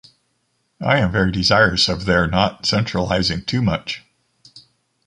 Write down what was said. I am very desirous of their not centralizing too much.